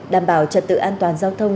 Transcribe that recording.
đảm bảo trật tự an toàn giao thông